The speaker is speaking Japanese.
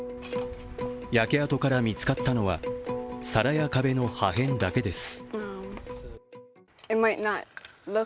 焼け跡から見つかったのは皿や壁の破片だけです。